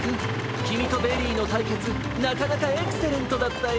きみとベリーのたいけつなかなかエクセレントだったよ！